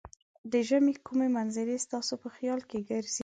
د ژمې کومې منظرې ستاسې په خیال کې ګرځي؟